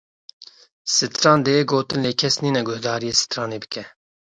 Sitran dihê gotin lê kes nîne guhdarîya sitranê bike